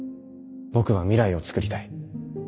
僕は未来を創りたい。